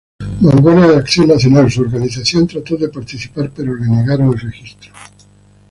Vanguardia de Acción Nacional, su organización, trató de participar, pero le negaron el registro.